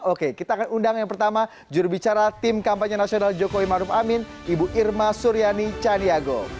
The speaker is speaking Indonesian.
oke kita akan undang yang pertama jurubicara tim kampanye nasional jokowi maruf amin ibu irma suryani caniago